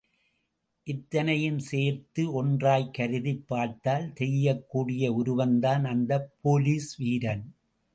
இத்தனையும் சேர்த்து ஒன்றாய்க் கருதிப் பார்த்தால் தெரியக்கூடிய உருவந்தான் அந்தப் போலீஸ் வீரன்.